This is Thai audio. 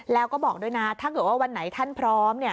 แล้วก็บอกด้วยนะถ้าเกิดว่าวันไหนท่านพร้อม